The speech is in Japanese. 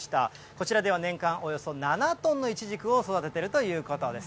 こちらでは、年間およそ７トンのいちじくを育てているということです。